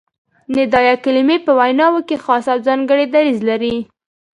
ندائیه کلیمې په ویناوو کښي خاص او ځانګړی دریځ لري.